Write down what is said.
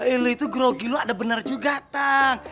ini tuh groggy lo ada bener juga tang